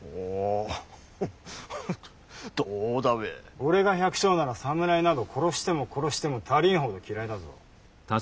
俺が百姓なら侍など殺しても殺しても足りんほど嫌いだぞ。